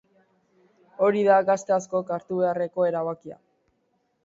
Hori da gazte askok hartu beharreko erabakia.